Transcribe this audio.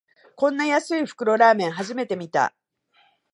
こんな安い袋ラーメン、初めて見た